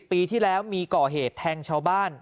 ปีที่แล้วมีก่อเหตุแทงชาวบ้าน